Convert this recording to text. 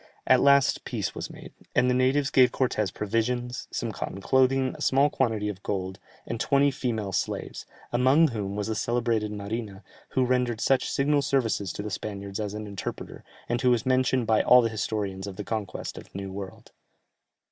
At last peace was made, and the natives gave Cortès provisions, some cotton clothing, a small quantity of gold, and twenty female slaves, among whom was the celebrated Marina, who rendered such signal services to the Spaniards as an interpreter, and who is mentioned by all the historians of the conquest of the New World.